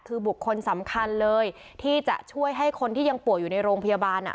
คือบุคคลสำคัญเลยที่จะช่วยให้คนที่ยังป่วยอยู่ในโรงพยาบาล